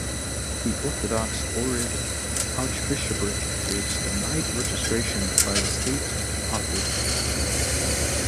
The Orthodox Ohrid Archbishopric is denied registration by the state authorities.